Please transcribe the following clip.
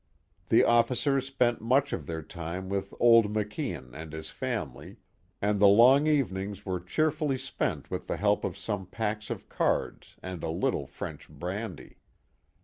The officers spent much of their time with old Maclan and his family, and the long evenings were cheerfully spent with the help of some packs of cards and a little French brandy.